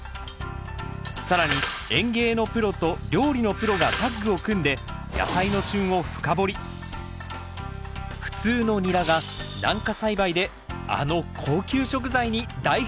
更に園芸のプロと料理のプロがタッグを組んで普通のニラが軟化栽培であの高級食材に大変身！